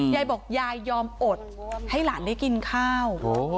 ยายบอกยายยอมอดให้หลานได้กินข้าว